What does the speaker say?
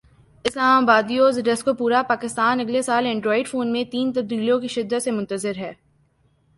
اسلام آبادنیو زڈیسکپورا پاکستان اگلے سال اینڈرائیڈ فون میں تین تبدیلیوں کی شدت سے منتظر ہے